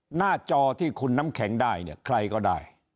หน้าจอที่คุณน้ำแข็งได้เนี่ยใครก็ได้